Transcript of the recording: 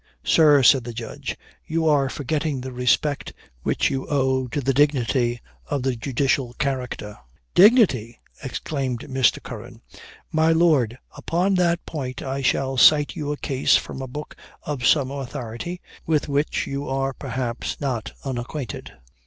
"Sir," said the Judge, "you are forgetting the respect which you owe to the dignity of the judicial character." "Dignity!" exclaimed Mr. Curran; "My Lord, upon that point I shall cite you a case from a book of some authority, with which you are, perhaps, not unacquainted."